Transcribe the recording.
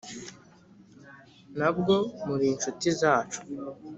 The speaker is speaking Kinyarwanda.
nabwo mur' inshuti zacu